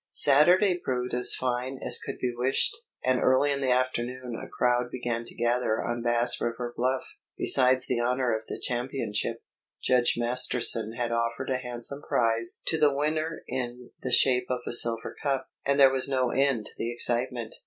Saturday proved as fine as could be wished, and early in the afternoon a crowd began to gather on Bass River Bluff. Besides the honour of the championship, Judge Masterton had offered a handsome prize to the winner in the shape of a silver cup, and there was no end to the excitement.